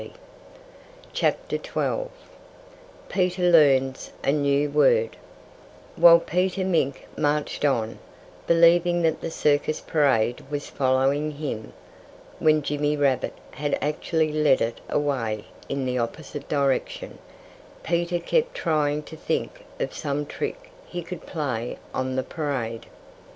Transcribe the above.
PETER LEARNS A NEW WORD While Peter Mink marched on, believing that the circus parade was following him (when Jimmy Rabbit had actually led it away in the opposite direction), Peter kept trying to think of some trick he could play on the parade.